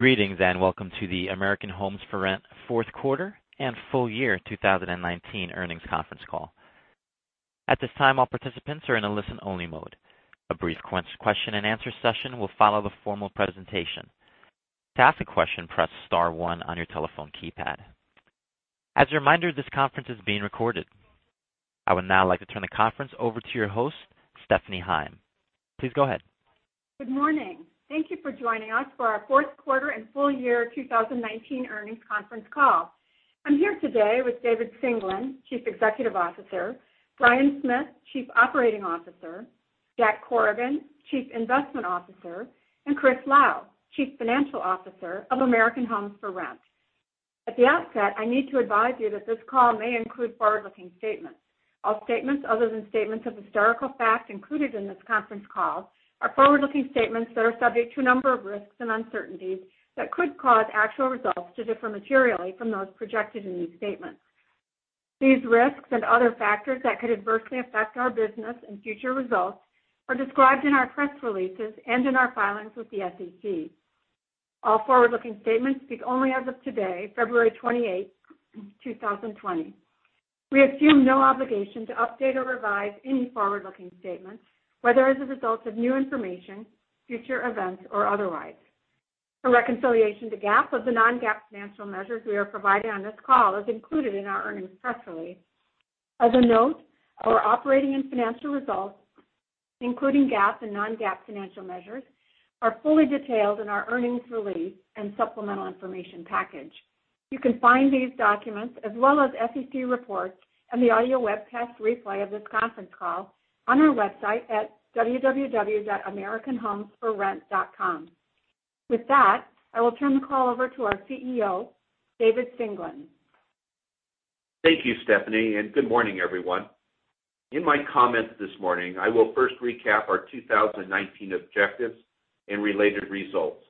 Greetings, welcome to the American Homes 4 Rent fourth quarter and full year 2019 earnings conference call. At this time, all participants are in a listen-only mode. A brief question and answer session will follow the formal presentation. To ask a question, press star one on your telephone keypad. As a reminder, this conference is being recorded. I would now like to turn the conference over to your host, Stephanie Heim. Please go ahead. Good morning. Thank you for joining us for our fourth quarter and full year 2019 earnings conference call. I'm here today with David Singelyn, Chief Executive Officer, Bryan Smith, Chief Operating Officer, Jack Corrigan, Chief Investment Officer, and Chris Lau, Chief Financial Officer of American Homes 4 Rent. At the outset, I need to advise you that this call may include forward-looking statements. All statements other than statements of historical fact included in this conference call are forward-looking statements that are subject to a number of risks and uncertainties that could cause actual results to differ materially from those projected in these statements. These risks and other factors that could adversely affect our business and future results are described in our press releases and in our filings with the SEC. All forward-looking statements speak only as of today, February 28, 2020. We assume no obligation to update or revise any forward-looking statements, whether as a result of new information, future events, or otherwise. A reconciliation to GAAP of the non-GAAP financial measures we are providing on this call is included in our earnings press release. As a note, our operating and financial results, including GAAP and non-GAAP financial measures, are fully detailed in our earnings release and supplemental information package. You can find these documents, as well as SEC reports and the audio webcast replay of this conference call on our website at www.americanhomes4rent.com. With that, I will turn the call over to our CEO, David Singelyn. Thank you, Stephanie. Good morning, everyone. In my comments this morning, I will first recap our 2019 objectives and related results.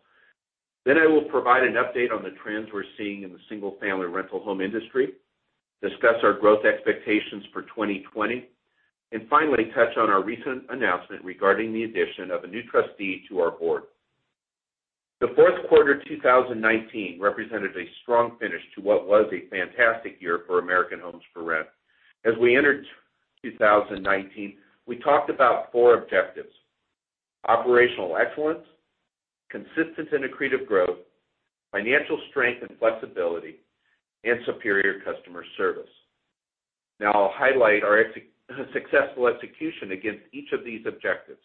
I will provide an update on the trends we're seeing in the single-family rental home industry, discuss our growth expectations for 2020, and finally, touch on our recent announcement regarding the addition of a new trustee to our board. The fourth quarter 2019 represented a strong finish to what was a fantastic year for American Homes 4 Rent. As we entered 2019, we talked about four objectives: operational excellence, consistent and accretive growth, financial strength and flexibility, and superior customer service. Now I'll highlight our successful execution against each of these objectives.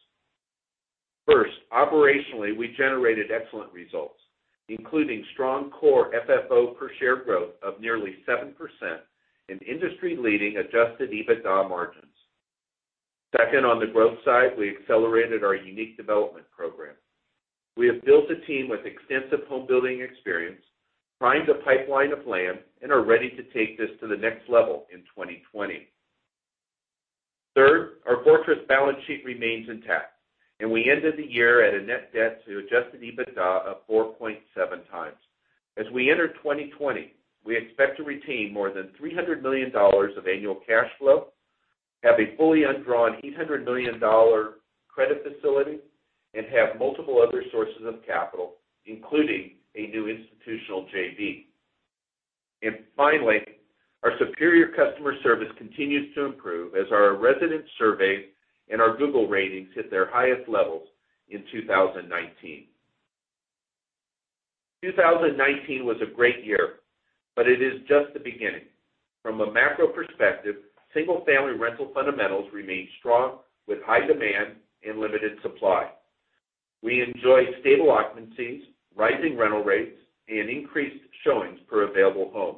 First, operationally, we generated excellent results, including strong Core FFO per share growth of nearly 7% and industry-leading Adjusted EBITDA margins. Second, on the growth side, we accelerated our unique development program. We have built a team with extensive home building experience, primed a pipeline of land, and are ready to take this to the next level in 2020. Third, our fortress balance sheet remains intact. We ended the year at a net debt to Adjusted EBITDA of 4.7x. As we enter 2020, we expect to retain more than $300 million of annual cash flow, have a fully undrawn $800 million credit facility, have multiple other sources of capital, including a new institutional JV. Finally, our superior customer service continues to improve as our resident surveys and our Google ratings hit their highest levels in 2019. 2019 was a great year. It is just the beginning. From a macro perspective, single-family rental fundamentals remain strong, with high demand and limited supply. We enjoy stable occupancies, rising rental rates, and increased showings per available home.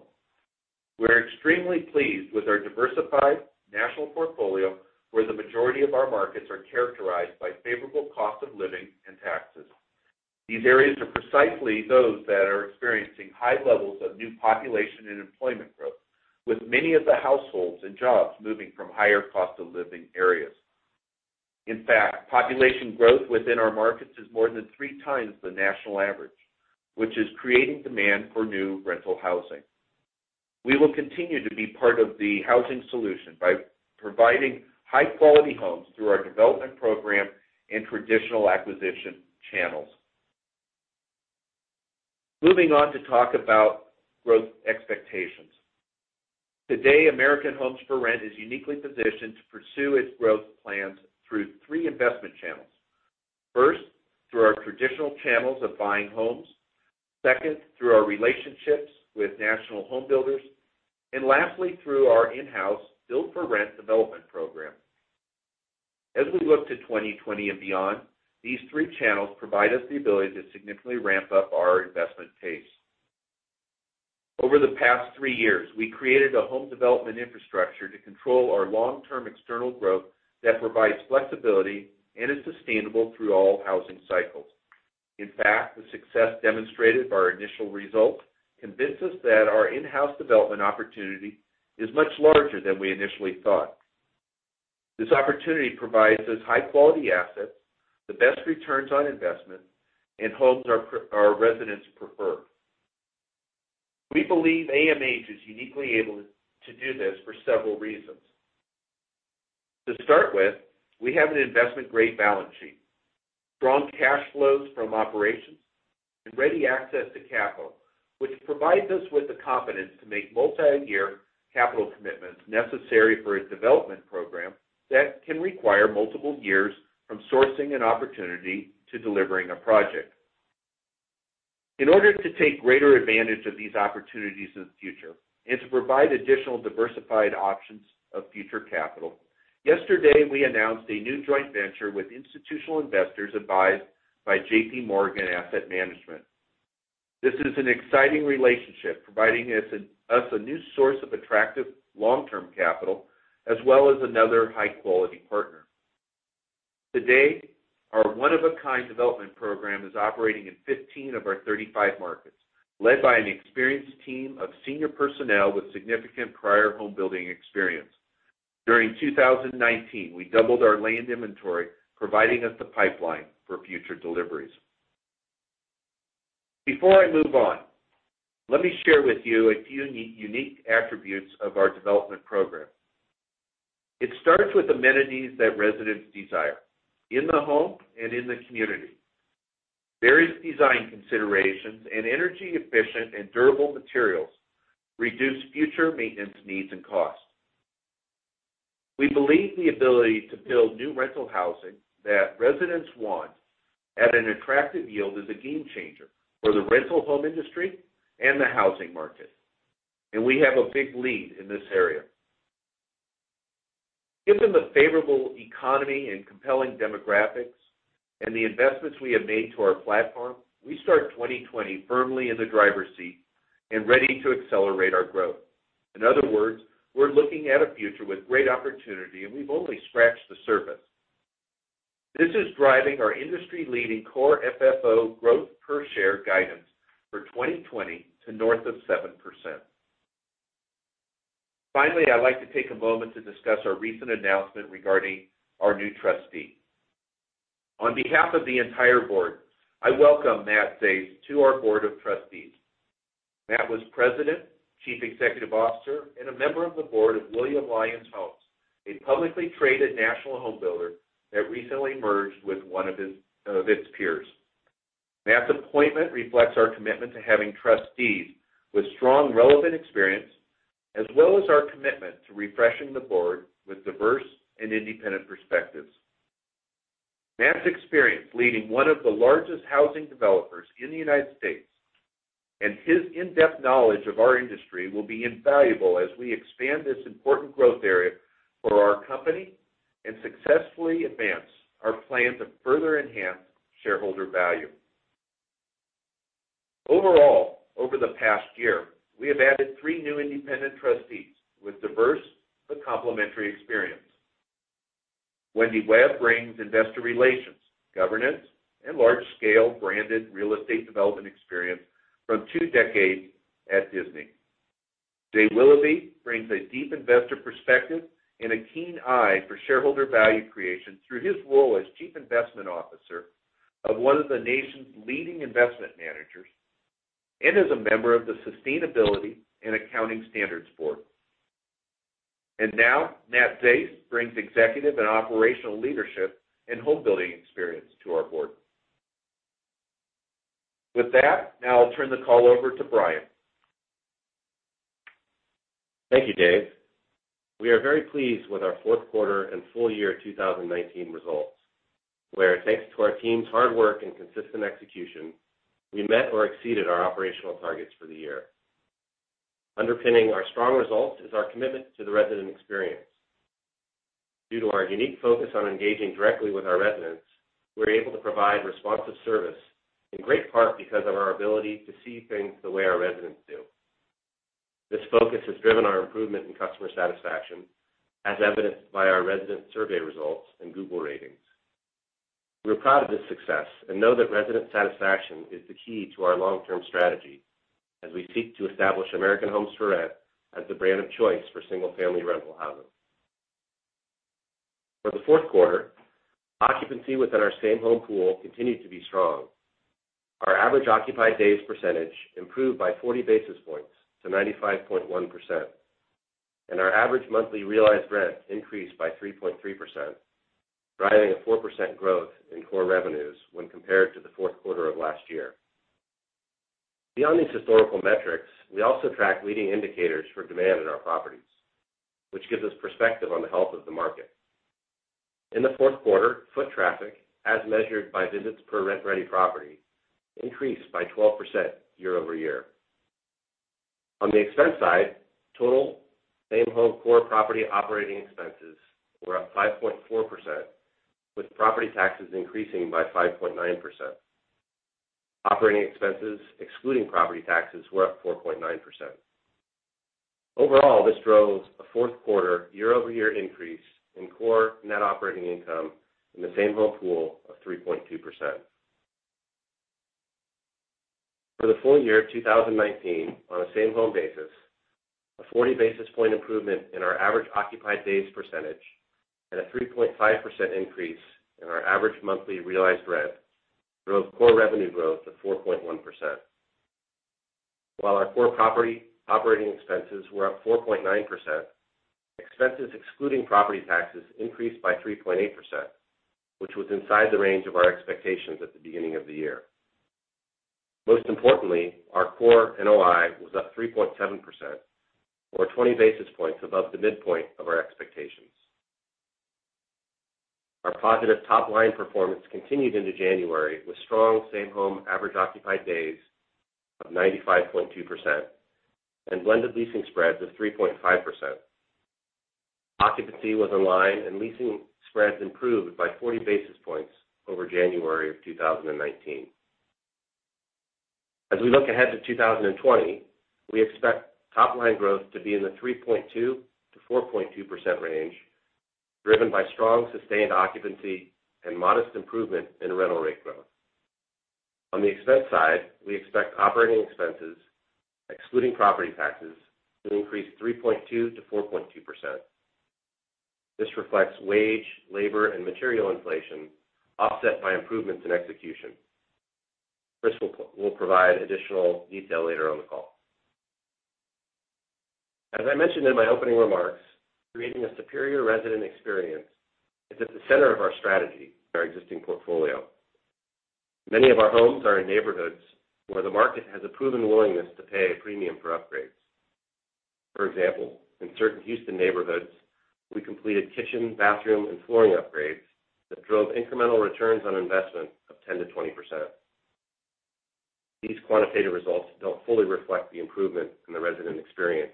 We're extremely pleased with our diversified national portfolio, where the majority of our markets are characterized by favorable cost of living and taxes. These areas are precisely those that are experiencing high levels of new population and employment growth, with many of the households and jobs moving from higher cost of living areas. In fact, population growth within our markets is more than three times the national average, which is creating demand for new rental housing. We will continue to be part of the housing solution by providing high-quality homes through our development program and traditional acquisition channels. Moving on to talk about growth expectations. Today, American Homes 4 Rent is uniquely positioned to pursue its growth plans through three investment channels. First, through our traditional channels of buying homes. Second, through our relationships with national home builders. Lastly, through our in-house build for rent development program. As we look to 2020 and beyond, these three channels provide us the ability to significantly ramp up our investment pace. Over the past three years, we created a home development infrastructure to control our long-term external growth that provides flexibility and is sustainable through all housing cycles. In fact, the success demonstrated by our initial results convince us that our in-house development opportunity is much larger than we initially thought. This opportunity provides us high-quality assets, the best returns on investment, and homes our residents prefer. We believe AMH is uniquely able to do this for several reasons. To start with, we have an investment-grade balance sheet, strong cash flows from operations, and ready access to capital, which provides us with the confidence to make multi-year capital commitments necessary for a development program that can require multiple years from sourcing an opportunity to delivering a project. In order to take greater advantage of these opportunities in the future and to provide additional diversified options of future capital, yesterday, we announced a new joint venture with institutional investors advised by JPMorgan Asset Management. This is an exciting relationship, providing us a new source of attractive long-term capital, as well as another high-quality partner. Today, our one-of-a-kind development program is operating in 15 of our 35 markets, led by an experienced team of senior personnel with significant prior home-building experience. During 2019, we doubled our land inventory, providing us the pipeline for future deliveries. Before I move on, let me share with you a few unique attributes of our development program. It starts with amenities that residents desire, in the home and in the community. Various design considerations and energy-efficient and durable materials reduce future maintenance needs and costs. We believe the ability to build new rental housing that residents want at an attractive yield is a game-changer for the rental home industry and the housing market, and we have a big lead in this area. Given the favorable economy and compelling demographics and the investments we have made to our platform, we start 2020 firmly in the driver's seat and ready to accelerate our growth. In other words, we're looking at a future with great opportunity, and we've only scratched the surface. This is driving our industry-leading Core FFO growth per share guidance for 2020 to north of 7%. I'd like to take a moment to discuss our recent announcement regarding our new trustee. On behalf of the entire board, I welcome Matt Zaist to our board of trustees. Matt was President, Chief Executive Officer, and a member of the board of William Lyon Homes, a publicly traded national home builder that recently merged with one of its peers. Matt's appointment reflects our commitment to having trustees with strong relevant experience, as well as our commitment to refreshing the board with diverse and independent perspectives. Matt's experience leading one of the largest housing developers in the United States and his in-depth knowledge of our industry will be invaluable as we expand this important growth area for our company and successfully advance our plan to further enhance shareholder value. Overall, over the past year, we have added three new independent trustees with diverse but complementary experience. Wendy Webb brings investor relations, governance, and large-scale branded real estate development experience from two decades at Disney. Jay Willoughby brings a deep investor perspective and a keen eye for shareholder value creation through his role as Chief Investment Officer of one of the nation's leading investment managers and as a member of the Sustainability Accounting Standards Board. Now, Matt Zaist brings executive and operational leadership and home-building experience to our board. With that, now I'll turn the call over to Bryan. Thank you, Dave. We are very pleased with our fourth quarter and full year 2019 results, where thanks to our team's hard work and consistent execution, we met or exceeded our operational targets for the year. Underpinning our strong results is our commitment to the resident experience. Due to our unique focus on engaging directly with our residents, we are able to provide responsive service, in great part because of our ability to see things the way our residents do. This focus has driven our improvement in customer satisfaction, as evidenced by our resident survey results and Google ratings. We are proud of this success and know that resident satisfaction is the key to our long-term strategy as we seek to establish American Homes 4 Rent as the brand of choice for single-family rental housing. For the fourth quarter, occupancy within our same-home pool continued to be strong. Our average occupied days percentage improved by 40 basis points to 95.1%, and our average monthly realized rent increased by 3.3%, driving a 4% growth in core revenues when compared to the fourth quarter of last year. Beyond these historical metrics, we also track leading indicators for demand in our properties, which gives us perspective on the health of the market. In the fourth quarter, foot traffic, as measured by visits per rent-ready property, increased by 12% year-over-year. On the expense side, total same-home core property operating expenses were up 5.4%, with property taxes increasing by 5.9%. Operating expenses, excluding property taxes, were up 4.9%. Overall, this drove a fourth-quarter year-over-year increase in core net operating income in the same-home pool of 3.2%. For the full year of 2019, on a same-home basis. A 40-basis-point improvement in our average occupied days percentage and a 3.5% increase in our average monthly realized rent drove core revenue growth to 4.1%. While our core property operating expenses were up 4.9%, expenses excluding property taxes increased by 3.8%, which was inside the range of our expectations at the beginning of the year. Most importantly, our core NOI was up 3.7%, or 20 basis points above the midpoint of our expectations. Our positive top-line performance continued into January with strong same home average occupied days of 95.2% and blended leasing spreads of 3.5%. Occupancy was in line, and leasing spreads improved by 40 basis points over January of 2019. As we look ahead to 2020, we expect top-line growth to be in the 3.2%-4.2% range, driven by strong, sustained occupancy and modest improvement in rental rate growth. On the expense side, we expect operating expenses, excluding property taxes, to increase 3.2%-4.2%. This reflects wage, labor, and material inflation offset by improvements in execution. Chris will provide additional detail later on the call. As I mentioned in my opening remarks, creating a superior resident experience is at the center of our strategy for our existing portfolio. Many of our homes are in neighborhoods where the market has a proven willingness to pay a premium for upgrades. For example, in certain Houston neighborhoods, we completed kitchen, bathroom, and flooring upgrades that drove incremental returns on investment of 10%-20%. These quantitative results don't fully reflect the improvement in the resident experience,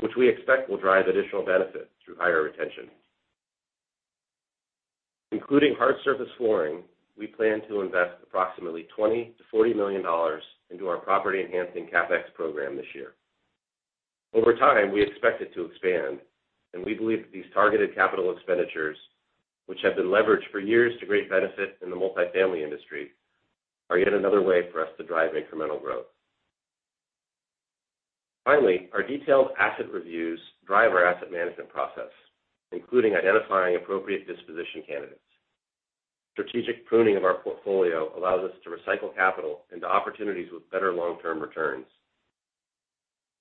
which we expect will drive additional benefit through higher retention. Including hard surface flooring, we plan to invest approximately $20 million-$40 million into our property-enhancing CapEx program this year. Over time, we expect it to expand, and we believe that these targeted capital expenditures, which have been leveraged for years to great benefit in the multifamily industry, are yet another way for us to drive incremental growth. Finally, our detailed asset reviews drive our asset management process, including identifying appropriate disposition candidates. Strategic pruning of our portfolio allows us to recycle capital into opportunities with better long-term returns.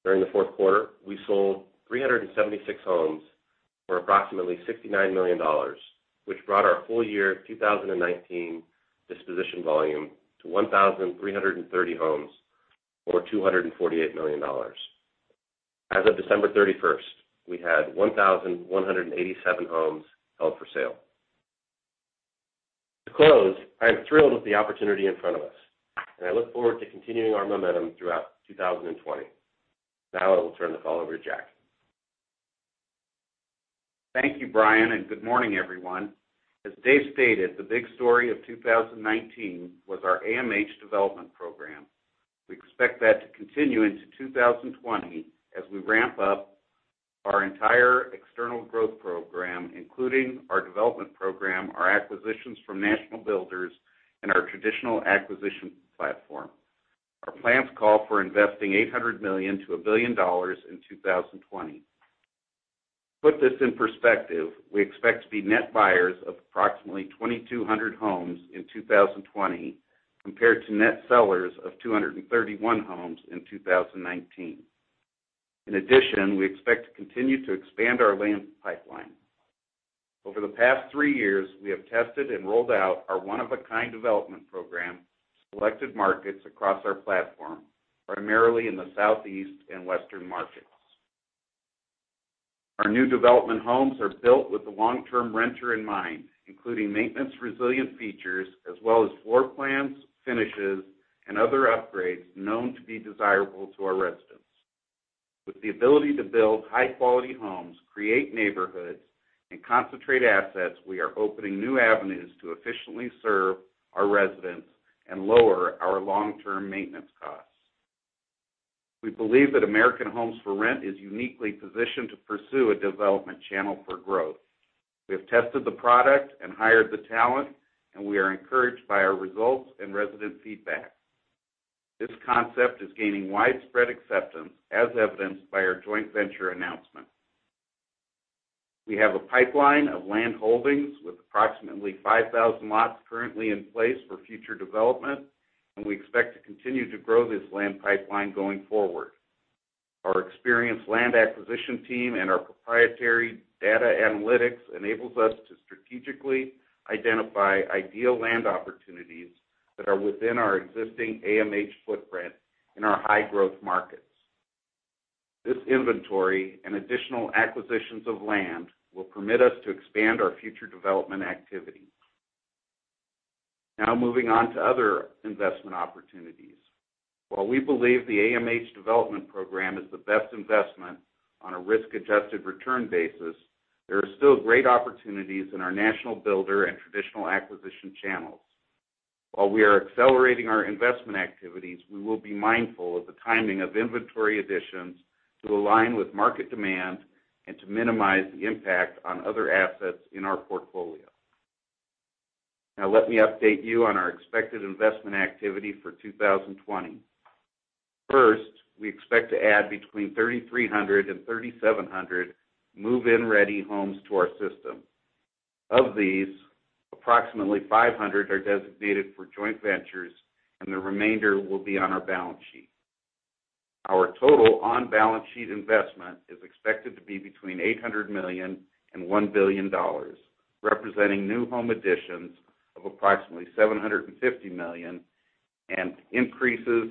During the fourth quarter, we sold 376 homes for approximately $69 million, which brought our full year 2019 disposition volume to 1,330 homes or $248 million. As of December 31st, we had 1,187 homes held for sale. To close, I am thrilled with the opportunity in front of us, and I look forward to continuing our momentum throughout 2020. Now I will turn the call over to Jack. Thank you, Bryan, good morning, everyone. As David stated, the big story of 2019 was our AMH Development program. We expect that to continue into 2020 as we ramp up our entire external growth program, including our Development program, our acquisitions from national builders, and our traditional acquisition platform. Our plans call for investing $800 million-$1 billion in 2020. To put this in perspective, we expect to be net buyers of approximately 2,200 homes in 2020, compared to net sellers of 231 homes in 2019. In addition, we expect to continue to expand our land pipeline. Over the past three years, we have tested and rolled out our one-of-a-kind Development program to selected markets across our platform, primarily in the Southeast and Western markets. Our new development homes are built with the long-term renter in mind, including maintenance-resilient features, as well as floor plans, finishes, and other upgrades known to be desirable to our residents. With the ability to build high-quality homes, create neighborhoods, and concentrate assets, we are opening new avenues to efficiently serve our residents and lower our long-term maintenance costs. We believe that American Homes 4 Rent is uniquely positioned to pursue a development channel for growth. We have tested the product and hired the talent, and we are encouraged by our results and resident feedback. This concept is gaining widespread acceptance, as evidenced by our joint venture announcement. We have a pipeline of land holdings with approximately 5,000 lots currently in place for future development, and we expect to continue to grow this land pipeline going forward. Our experienced land acquisition team and our proprietary data analytics enables us to strategically identify ideal land opportunities that are within our existing AMH footprint in our high-growth markets. This inventory and additional acquisitions of land will permit us to expand our future development activity. Now moving on to other investment opportunities. While we believe the AMH development program is the best investment on a risk-adjusted return basis, there are still great opportunities in our national builder and traditional acquisition channels. While we are accelerating our investment activities, we will be mindful of the timing of inventory additions to align with market demand and to minimize the impact on other assets in our portfolio. Now let me update you on our expected investment activity for 2020. First, we expect to add between 3,300 and 3,700 move-in-ready homes to our system. Of these, approximately 500 are designated for joint ventures, and the remainder will be on our balance sheet. Our total on-balance sheet investment is expected to be between $800 million and $1 billion, representing new home additions of approximately $750 million, and increases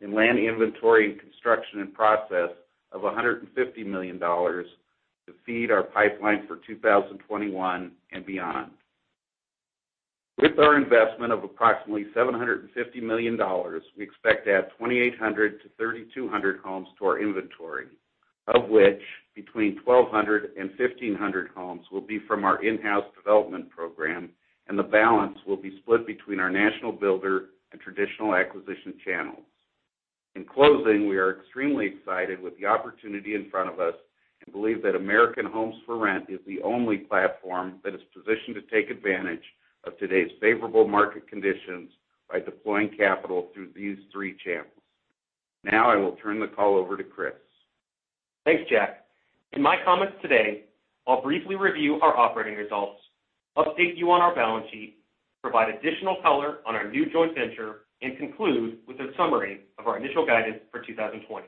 in land inventory and construction in process of $150 million to feed our pipeline for 2021 and beyond. With our investment of approximately $750 million, we expect to add 2,800-3,200 homes to our inventory, of which between 1,200 and 1,500 homes will be from our in-house development program, and the balance will be split between our national builder and traditional acquisition channels. In closing, we are extremely excited with the opportunity in front of us and believe that American Homes 4 Rent is the only platform that is positioned to take advantage of today's favorable market conditions by deploying capital through these three channels. Now I will turn the call over to Chris. Thanks, Jack. In my comments today, I'll briefly review our operating results, update you on our balance sheet, provide additional color on our new joint venture, and conclude with a summary of our initial guidance for 2020.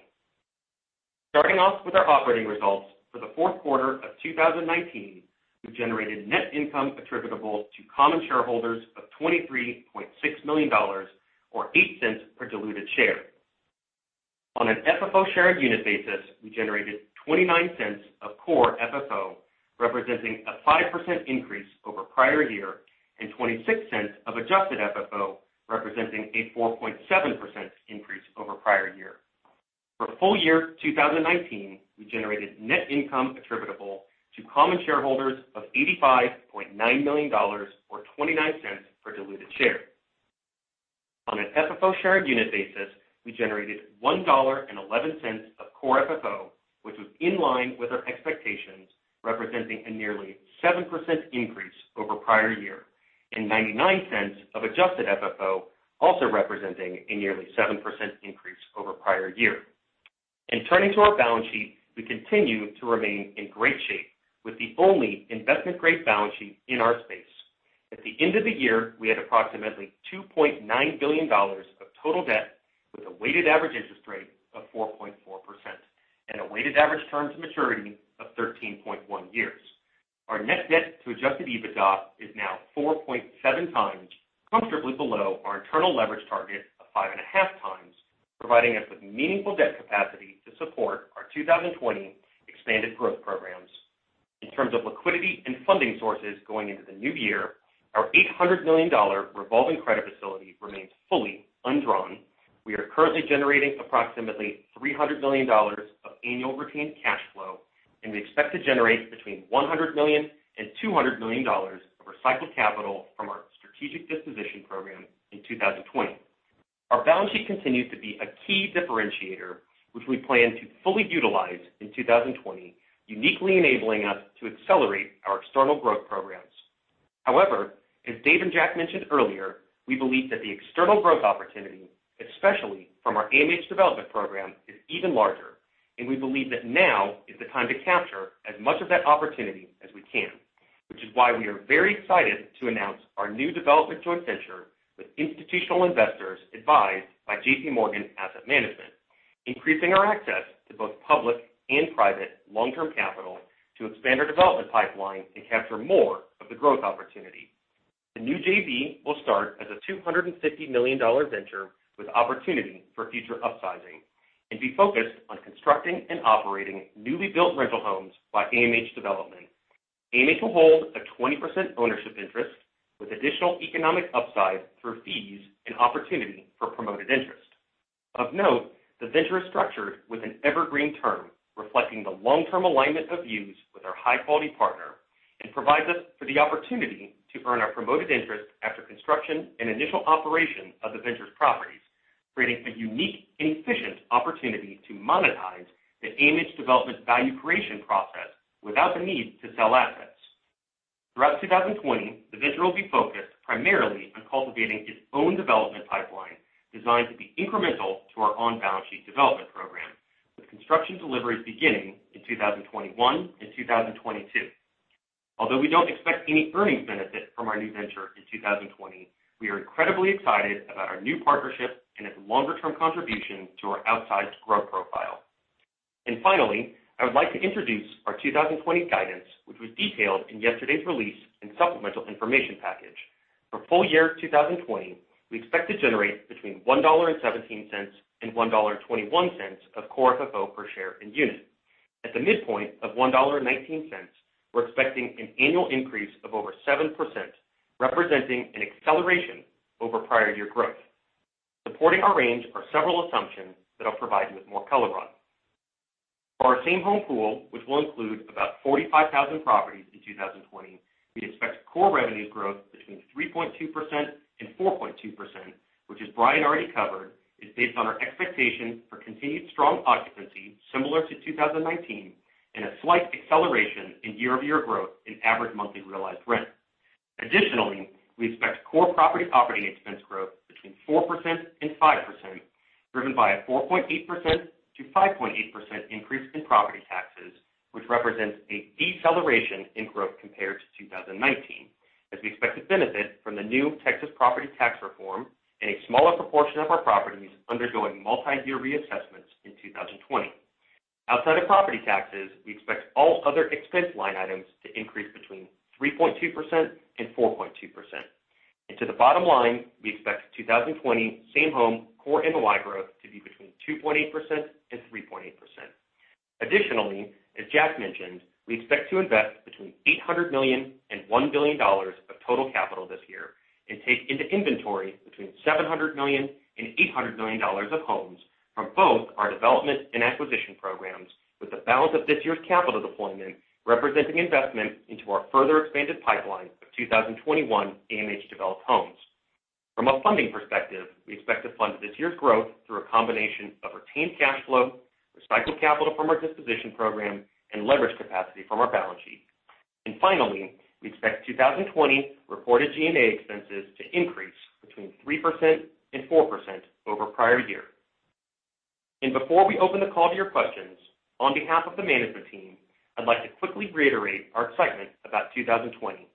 Starting off with our operating results for the fourth quarter of 2019, we generated net income attributable to common shareholders of $23.6 million, or $0.08 per diluted share. On an FFO shared unit basis, we generated $0.29 of Core FFO, representing a 5% increase over prior year, and $0.26 of adjusted FFO, representing a 4.7% increase over prior year. For full year 2019, we generated net income attributable to common shareholders of $85.9 million, or $0.29 per diluted share. On an FFO shared unit basis, we generated $1.11 of Core FFO, which was in line with our expectations, representing a nearly 7% increase over prior year, and $0.99 of adjusted FFO, also representing a nearly 7% increase over prior year. In turning to our balance sheet, we continue to remain in great shape with the only investment-grade balance sheet in our space. At the end of the year, we had approximately $2.9 billion of total debt with a weighted average interest rate of 4.4% and a weighted average term to maturity of 13.1 years. Our net debt to adjusted EBITDA is now 4.7x, comfortably below our internal leverage target of 5.5x, providing us with meaningful debt capacity to support our 2020 expanded growth programs. In terms of liquidity and funding sources going into the new year, our $800 million revolving credit facility remains fully undrawn. We are currently generating approximately $300 million of annual retained cash flow, and we expect to generate between $100 million and $200 million of recycled capital from our strategic disposition program in 2020. Our balance sheet continues to be a key differentiator, which we plan to fully utilize in 2020, uniquely enabling us to accelerate our external growth programs. However, as Dave and Jack mentioned earlier, we believe that the external growth opportunity, especially from our AMH Development program, is even larger, and we believe that now is the time to capture as much of that opportunity as we can, which is why we are very excited to announce our new development joint venture with institutional investors advised by JPMorgan Asset Management, increasing our access to both public and private long-term capital to expand our development pipeline and capture more of the growth opportunity. The new JV will start as a $250 million venture with opportunity for future upsizing and be focused on constructing and operating newly built rental homes by AMH Development. AMH will hold a 20% ownership interest with additional economic upside through fees and opportunity for promoted interest. Of note, the venture is structured with an evergreen term, reflecting the long-term alignment of views with our high-quality partner and provides us for the opportunity to earn our promoted interest after construction and initial operation of the venture's properties, creating a unique and efficient opportunity to monetize the AMH Development value creation process without the need to sell assets. Throughout 2020, the venture will be focused primarily on cultivating its own development pipeline, designed to be incremental to our on-balance sheet development program, with construction deliveries beginning in 2021 and 2022. Although we don't expect any earnings benefit from our new venture in 2020, we are incredibly excited about our new partnership and its longer-term contribution to our outsized growth profile. Finally, I would like to introduce our 2020 guidance, which was detailed in yesterday's release and supplemental information package. For full year 2020, we expect to generate between $1.17 and $1.21 of Core FFO per share in unit. At the midpoint of $1.19, we're expecting an annual increase of over 7%, representing an acceleration over prior year growth. Supporting our range are several assumptions that I'll provide you with more color on. For our same-home pool, which will include about 45,000 properties in 2020, we expect core revenues growth between 3.2% and 4.2%, which, as Bryan already covered, is based on our expectation for continued strong occupancy similar to 2019. A slight acceleration in year-over-year growth in average monthly realized rent. Additionally, we expect core property operating expense growth between 4% and 5%, driven by a 4.8%-5.8% increase in property taxes, which represents a deceleration in growth compared to 2019, as we expect to benefit from the new Texas property tax reform and a smaller proportion of our properties undergoing multi-year reassessments in 2020. Outside of property taxes, we expect all other expense line items to increase between 3.2% and 4.2%. To the bottom line, we expect 2020 same home Core NOI growth to be between 2.8% and 3.8%. Additionally, as Jack mentioned, we expect to invest between $800 million and $1 billion of total capital this year and take into inventory between $700 million and $800 million of homes from both our development and acquisition programs, with the balance of this year's capital deployment representing investment into our further expanded pipeline of 2021 AMH-developed homes. From a funding perspective, we expect to fund this year's growth through a combination of retained cash flow, recycled capital from our disposition program, and leverage capacity from our balance sheet. Finally, we expect 2020 reported G&A expenses to increase between 3% and 4% over prior year. Before we open the call to your questions, on behalf of the management team, I'd like to quickly reiterate our excitement about 2020.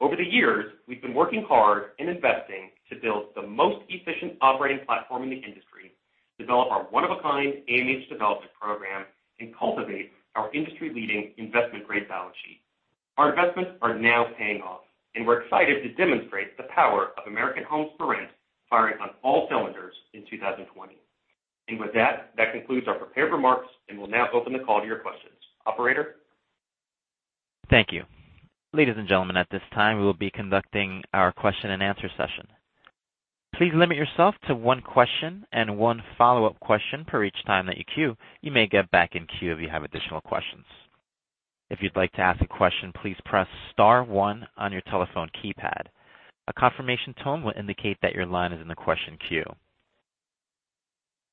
Over the years, we've been working hard and investing to build the most efficient operating platform in the industry, develop our one-of-a-kind AMH Development program, and cultivate our industry-leading investment-grade balance sheet. Our investments are now paying off, and we're excited to demonstrate the power of American Homes 4 Rent firing on all cylinders in 2020. With that concludes our prepared remarks, and we'll now open the call to your questions. Operator? Thank you. Ladies and gentlemen, at this time, we will be conducting our question-and-answer session. Please limit yourself to one question and one follow-up question per each time that you queue. You may get back in queue if you have additional questions. If you'd like to ask a question, please press star one on your telephone keypad. A confirmation tone will indicate that your line is in the question queue.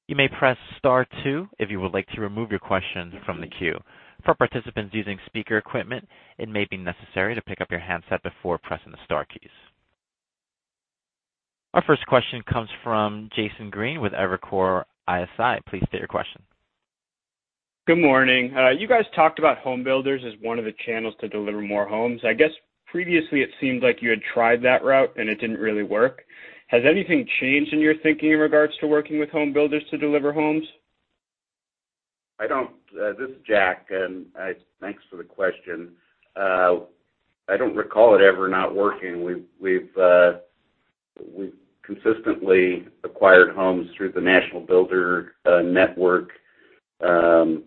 You may press star two if you would like to remove your question from the queue. For participants using speaker equipment, it may be necessary to pick up your handset before pressing the star keys. Our first question comes from Jason Green with Evercore ISI. Please state your question. Good morning. You guys talked about home builders as one of the channels to deliver more homes. I guess previously it seemed like you had tried that route, and it didn't really work. Has anything changed in your thinking in regards to working with home builders to deliver homes? This is Jack. Thanks for the question. I don't recall it ever not working. We've consistently acquired homes through the National Builder network and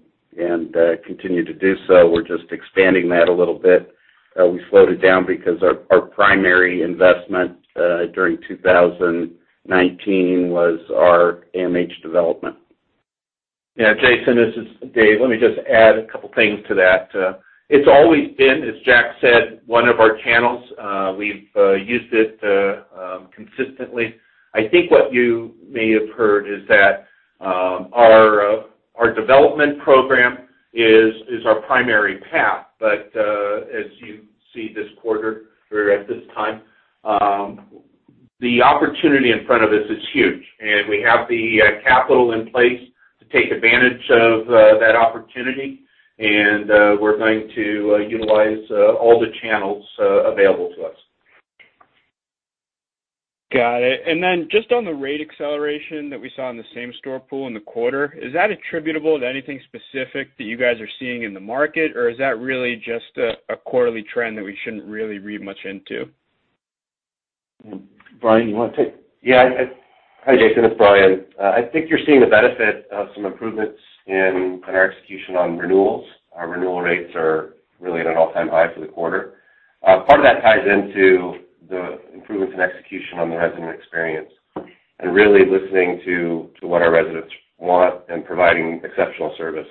continue to do so. We're just expanding that a little bit. We floated down because our primary investment during 2019 was our AMH Development. Jason, this is Dave. Let me just add a couple things to that. It's always been, as Jack said, one of our channels. We've used it consistently. I think what you may have heard is that our development program is our primary path. As you see this quarter or at this time, the opportunity in front of us is huge, and we have the capital in place to take advantage of that opportunity. We're going to utilize all the channels available to us. Got it. Then just on the rate acceleration that we saw in the same-store pool in the quarter, is that attributable to anything specific that you guys are seeing in the market? Is that really just a quarterly trend that we shouldn't really read much into? Bryan, you want to? Yeah. Hi, Jason, it's Bryan. I think you're seeing the benefit of some improvements in our execution on renewals. Our renewal rates are really at an all-time high for the quarter. Part of that ties into the improvements in execution on the resident experience and really listening to what our residents want and providing exceptional service.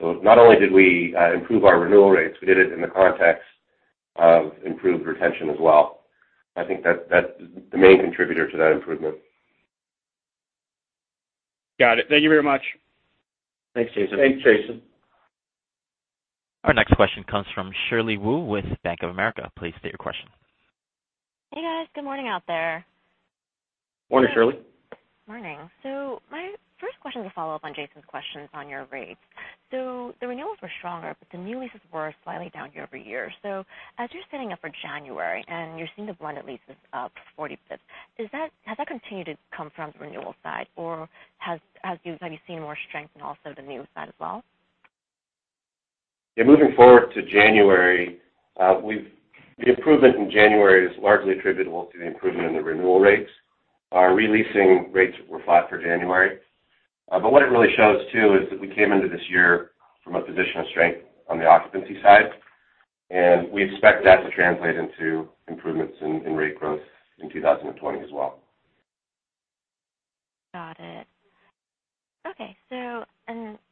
Not only did we improve our renewal rates, we did it in the context of improved retention as well. I think that's the main contributor to that improvement. Got it. Thank you very much. Thanks, Jason. Thanks, Jason. Our next question comes from Shirley Wu with Bank of America. Please state your question. Hey, guys. Good morning out there. Morning, Shirley. Morning. My first question is a follow-up on Jason's questions on your rates. The renewals were stronger, but the new leases were slightly down year-over-year. As you're setting up for January and you're seeing the blend of leases up 40 basis points, has that continued to come from the renewal side? Or have you seen more strength in also the new side as well? Yeah, moving forward to January, the improvement in January is largely attributable to the improvement in the renewal rates. Our re-leasing rates were flat for January. What it really shows, too, is that we came into this year from a position of strength on the occupancy side, and we expect that to translate into improvements in rate growth in 2020 as well. Got it. Okay.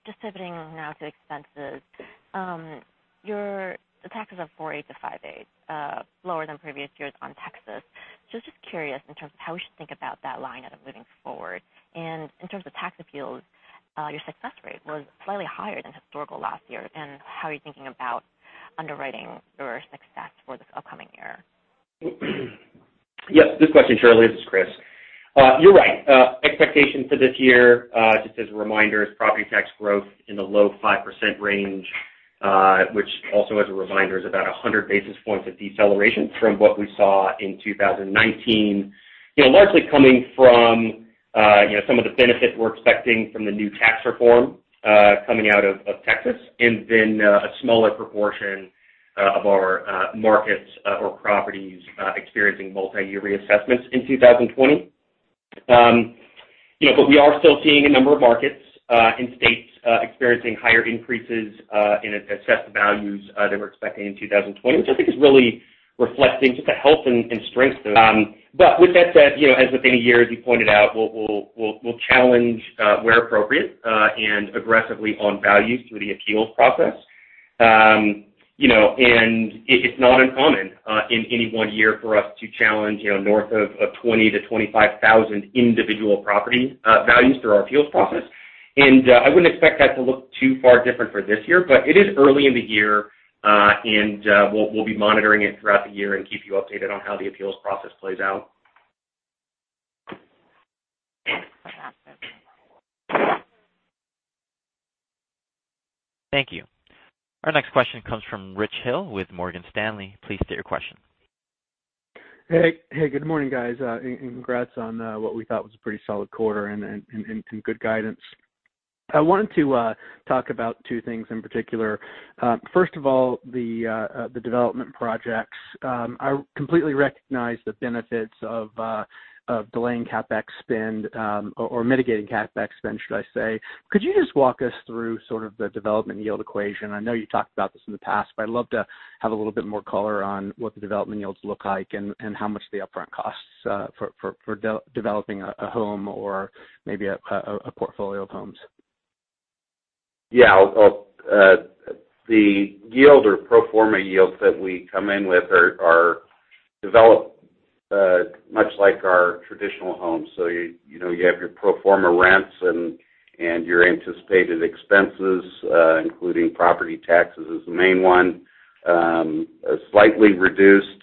Just pivoting now to expenses. Your taxes are 4.8%-5.8%, lower than previous years on taxes. Just curious in terms of how we should think about that line item moving forward. In terms of tax appeals, your success rate was slightly higher than historical last year. How are you thinking about underwriting your success for this upcoming year? Yes, good question, Shirley. This is Chris. You're right. Expectation for this year, just as a reminder, is property tax growth in the low 5% range, which also as a reminder, is about 100 basis points of deceleration from what we saw in 2019. Largely coming from some of the benefits we're expecting from the new tax reform coming out of Texas, and then a smaller proportion of our markets or properties experiencing multi-year reassessments in 2020. We are still seeing a number of markets and states experiencing higher increases in assessed values than we're expecting in 2020, which I think is really reflecting just the health and strength there. With that said, as within a year, as you pointed out, we'll challenge where appropriate and aggressively on values through the appeals process. It's not uncommon in any one year for us to challenge north of 20,000-25,000 individual property values through our appeals process. I wouldn't expect that to look too far different for this year, but it is early in the year. We'll be monitoring it throughout the year and keep you updated on how the appeals process plays out. Thank you. Our next question comes from Rich Hill with Morgan Stanley. Please state your question. Hey, good morning, guys. Congrats on what we thought was a pretty solid quarter and good guidance. I wanted to talk about two things in particular. First of all, the development projects. I completely recognize the benefits of delaying CapEx spend or mitigating CapEx spend, should I say. Could you just walk us through sort of the development yield equation? I know you talked about this in the past, I'd love to have a little bit more color on what the development yields look like and how much the upfront costs for developing a home or maybe a portfolio of homes. Yeah. The yield or pro forma yields that we come in with are developed much like our traditional homes. You have your pro forma rents and your anticipated expenses, including property taxes as the main one. A slightly reduced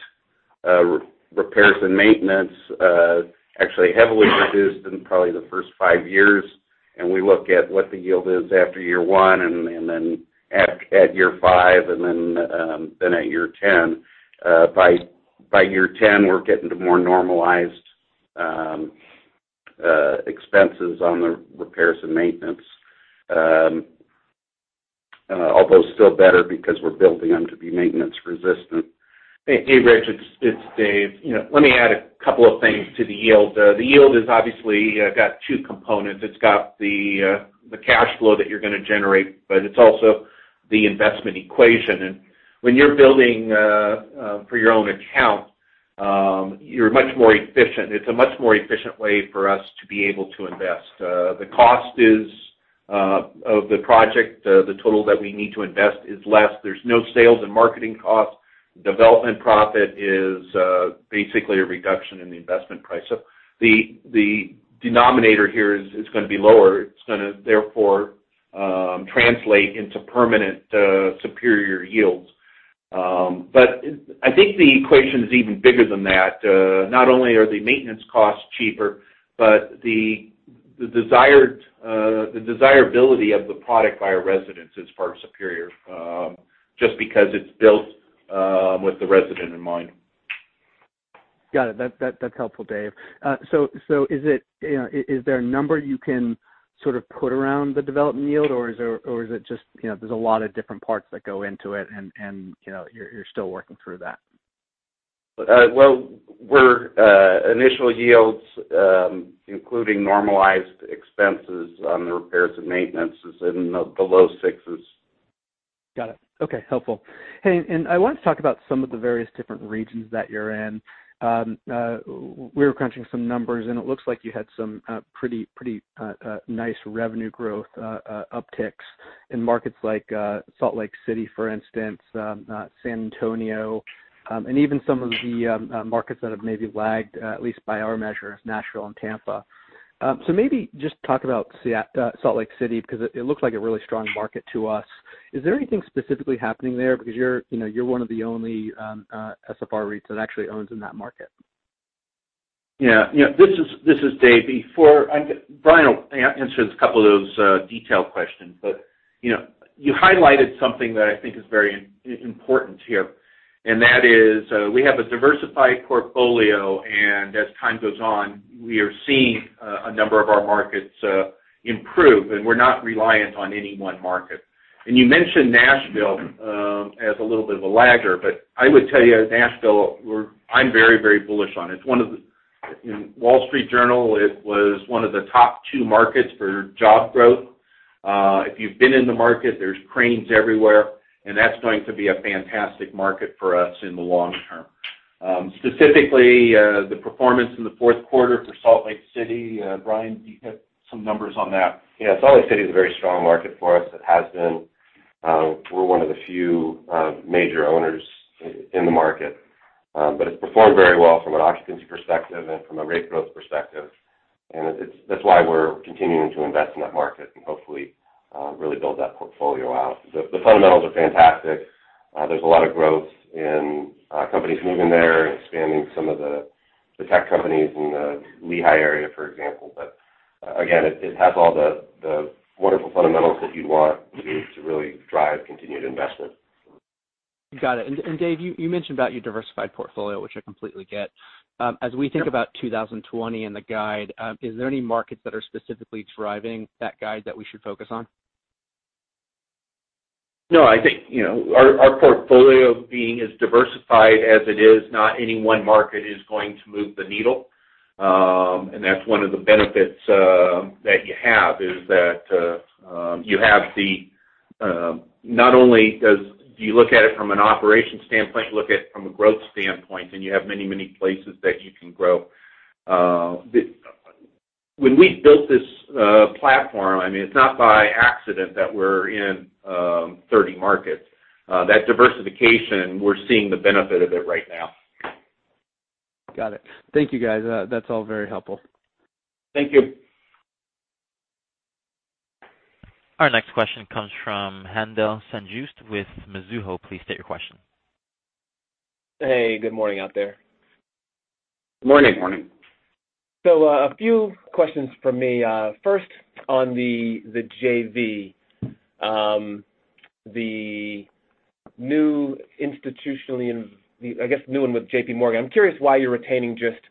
repairs and maintenance, actually heavily reduced in probably the first five years. We look at what the yield is after year one and then at year five and then at year 10. By year 10, we're getting to more normalized expenses on the repairs and maintenance. Although still better because we're building them to be maintenance-resistant. Hey, Rich, it's Dave. Let me add a couple of things to the yield. The yield has obviously got two components. It's got the cash flow that you're going to generate, but it's also the investment equation. When you're building for your own account, you're much more efficient. It's a much more efficient way for us to be able to invest. The cost of the project, the total that we need to invest is less. There's no sales and marketing costs. Development profit is basically a reduction in the investment price. The denominator here is going to be lower. It's going to therefore translate into permanent superior yields. I think the equation's even bigger than that. Not only are the maintenance costs cheaper, but the desirability of the product by our residents is far superior, just because it's built with the resident in mind. Got it. That's helpful, Dave. Is there a number you can sort of put around the development yield, or is it just there's a lot of different parts that go into it and you're still working through that? Well, initial yields, including normalized expenses on the repairs and maintenance, is in the low sixes. Got it. Okay. Helpful. Hey, I wanted to talk about some of the various different regions that you're in. We were crunching some numbers, and it looks like you had some pretty nice revenue growth upticks in markets like Salt Lake City, for instance, San Antonio, and even some of the markets that have maybe lagged, at least by our measure, Nashville and Tampa. Maybe just talk about Salt Lake City, because it looks like a really strong market to us. Is there anything specifically happening there? Because you're one of the only SFR REITs that actually owns in that market. Yeah. This is Dave. Bryan will answer a couple of those detailed questions. You highlighted something that I think is very important here, and that is we have a diversified portfolio, and as time goes on, we are seeing a number of our markets improve, and we're not reliant on any one market. You mentioned Nashville as a little bit of a lagger, I would tell you Nashville, I'm very bullish on. In Wall Street Journal, it was one of the top two markets for job growth. If you've been in the market, there's cranes everywhere, that's going to be a fantastic market for us in the long term. Specifically, the performance in the fourth quarter for Salt Lake City. Bryan, do you have some numbers on that? Yeah. Salt Lake City is a very strong market for us. It has been. We're one of the few major owners in the market. It's performed very well from an occupancy perspective and from a rate growth perspective, and that's why we're continuing to invest in that market and hopefully really build that portfolio out. The fundamentals are fantastic. There's a lot of growth in companies moving there and expanding some of the tech companies in the Lehi area, for example. Again, it has all the wonderful fundamentals that you'd want to really drive continued investment. Got it. Dave, you mentioned about your diversified portfolio, which I completely get. As we think about 2020 and the guide, are there any markets that are specifically driving that guide that we should focus on? No, I think, our portfolio being as diversified as it is, not any one market is going to move the needle. That's one of the benefits that you have, is that you have Not only do you look at it from an operations standpoint, look at it from a growth standpoint, and you have many places that you can grow. When we built this platform, it's not by accident that we're in 30 markets. That diversification, we're seeing the benefit of it right now. Got it. Thank you, guys. That's all very helpful. Thank you. Our next question comes from Haendel St. Juste with Mizuho. Please state your question. Hey, good morning out there. Morning. Morning. A few questions from me. First, on the JV, the new one with JPMorgan. I'm curious why you're retaining just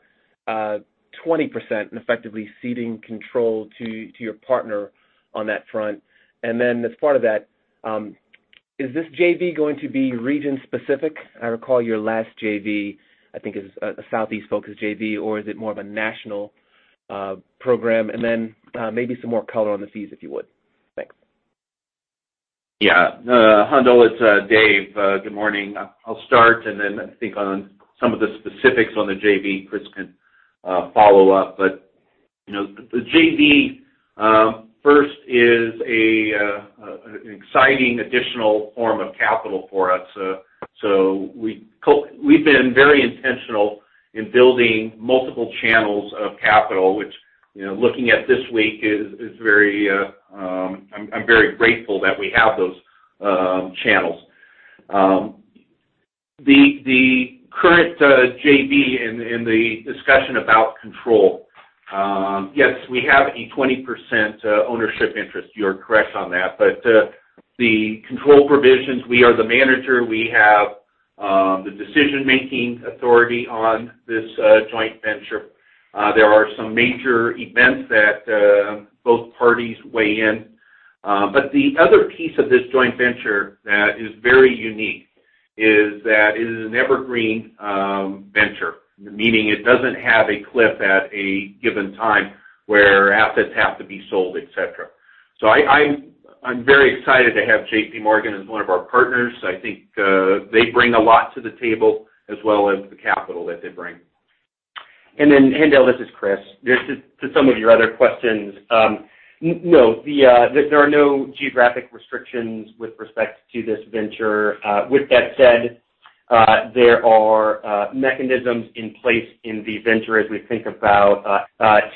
20% and effectively ceding control to your partner on that front. As part of that, is this JV going to be region-specific? I recall your last JV, I think, is a Southeast-focused JV, or is it more of a national program? Maybe some more color on the fees, if you would. Thanks. Yeah. Haendel, it's David. Good morning. I'll start, and then I think on some of the specifics on the JV, Chris can follow up. The JV, first, is an exciting additional form of capital for us. We've been very intentional in building multiple channels of capital, which, looking at this week, I'm very grateful that we have those channels. The current JV and the discussion about control. Yes, we have a 20% ownership interest. You're correct on that. The control provisions, we are the manager. We have the decision-making authority on this joint venture. There are some major events that both parties weigh in. The other piece of this joint venture that is very unique is that it is an evergreen venture, meaning it doesn't have a cliff at a given time where assets have to be sold, et cetera. I'm very excited to have JPMorgan as one of our partners. I think they bring a lot to the table as well as the capital that they bring. Haendel, this is Chris. To some of your other questions, no, there are no geographic restrictions with respect to this venture. With that said, there are mechanisms in place in the venture as we think about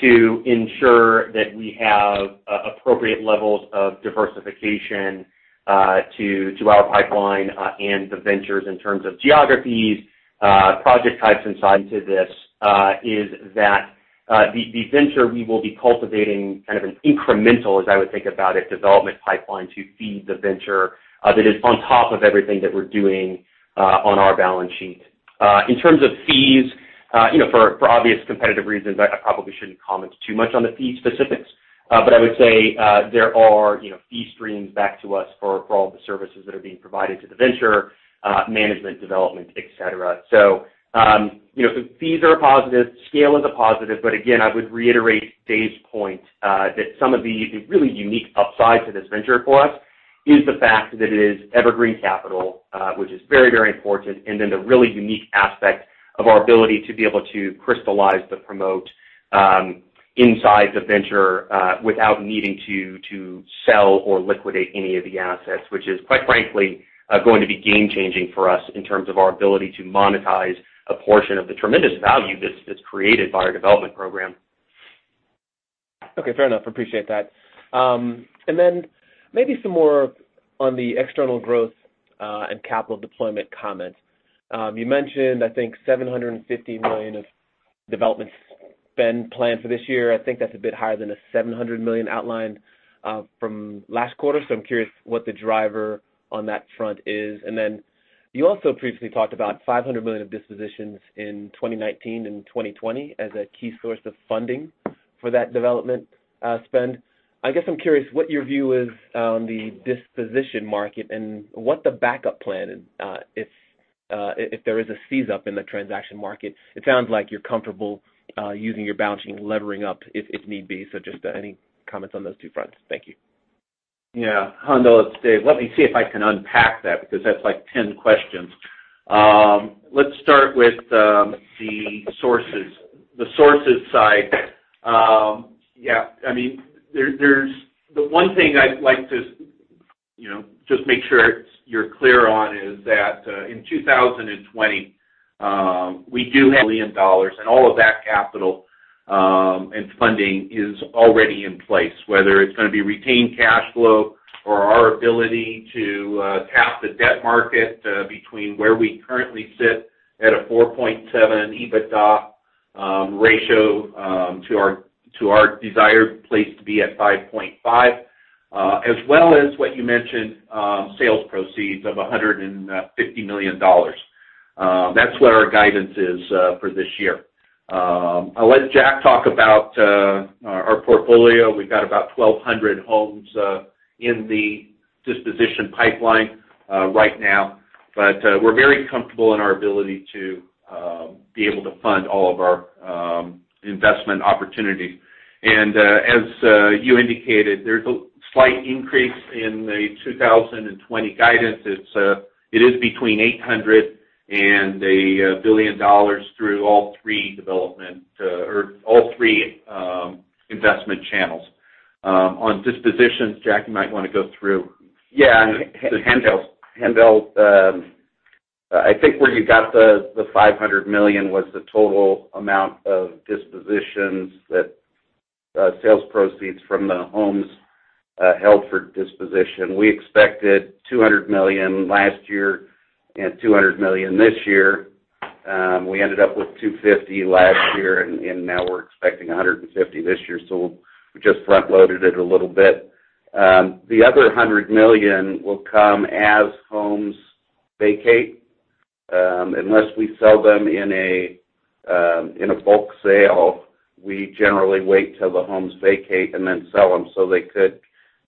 to ensure that we have appropriate levels of diversification to our pipeline and the ventures in terms of geographies, project types inside into this, is that the venture we will be cultivating kind of an incremental, as I would think about it, development pipeline to feed the venture that is on top of everything that we're doing on our balance sheet. In terms of fees, for obvious competitive reasons, I probably shouldn't comment too much on the fee specifics. I would say there are fee streams back to us for all the services that are being provided to the venture, management, development, et cetera. Fees are a positive, scale is a positive. Again, I would reiterate Dave's point that some of the really unique upsides to this venture for us is the fact that it is evergreen capital, which is very, very important, and then the really unique aspect of our ability to be able to crystallize the promote inside the venture without needing to sell or liquidate any of the assets, which is quite frankly, going to be game-changing for us in terms of our ability to monetize a portion of the tremendous value that's created by our development program. Okay, fair enough. Appreciate that. Maybe some more on the external growth and capital deployment comment. You mentioned, I think, $750 million of development spend planned for this year. I think that's a bit higher than the $700 million outlined from last quarter. I'm curious what the driver on that front is. You also previously talked about $500 million of dispositions in 2019 and 2020 as a key source of funding for that development spend. I guess I'm curious what your view is on the disposition market and what the backup plan is if there is a seize up in the transaction market. It sounds like you're comfortable using your balance sheet and levering up if need be. Just any comments on those two fronts. Thank you. Yeah. Haendel, it's David. Let me see if I can unpack that, because that's like 10 questions. Let's start with the sources side. The one thing I'd like to just make sure you're clear on is that, in 2020, we do have million dollars, and all of that capital and funding is already in place, whether it's going to be retained cash flow or our ability to tap the debt market between where we currently sit at a 4.7x EBITDA ratio to our desired place to be at 5.5x, as well as what you mentioned, sales proceeds of $150 million. That's where our guidance is for this year. I'll let Jack talk about our portfolio. We've got about 1,200 homes in the disposition pipeline right now. We're very comfortable in our ability to be able to fund all of our investment opportunities. As you indicated, there's a slight increase in the 2020 guidance. It is between $800 and $1 billion through all three investment channels. On dispositions, Jack, you might want to go through. Yeah. Haendel, I think where you got the $500 million was the total amount of dispositions that sales proceeds from the homes held for disposition. We expected $200 million last year and $200 million this year. We ended up with $250 last year, and now we're expecting $150 this year. We just front-loaded it a little bit. The other $100 million will come as homes vacate. Unless we sell them in a bulk sale, we generally wait till the homes vacate and then sell them.